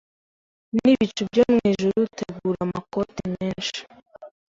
nibicu byo mwijuru Tegura amakoti menshi